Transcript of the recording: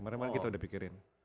kemarin kita udah pikirin